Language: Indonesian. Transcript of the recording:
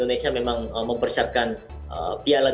dan saya juga bisa memperbaiki kemahiran saya